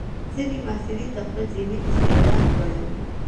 ځینې محصلین د خپل ذهني استعداد لوړوي.